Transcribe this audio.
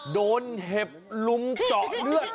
โดนเห็บรุมเจาะเลือด